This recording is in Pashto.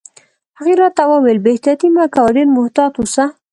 هغې راته وویل: بې احتیاطي مه کوه، ډېر محتاط اوسه.